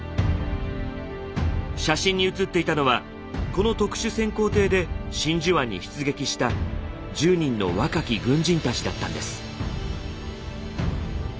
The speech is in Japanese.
写真に写っていたのはこの特殊潜航艇で真珠湾に出撃した１０人の若き軍人たちだったんです。